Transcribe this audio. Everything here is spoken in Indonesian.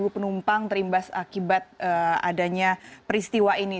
sepuluh penumpang terimbas akibat adanya peristiwa ini